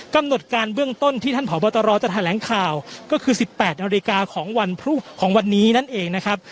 กำหนดการเบื้องต้นที่ท่านผอบตรจะแถลงข่าวก็คือ๑๘นาฬิกาของวันของวันนี้นั่นเองนะครับ